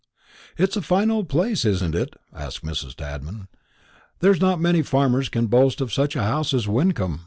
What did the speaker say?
"It's a fine old place, isn't it?" asked Mrs. Tadman. "There's not many farmers can boast of such a house as Wyncomb."